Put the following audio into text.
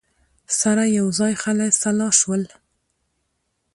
سره یوځای خلع سلاح شول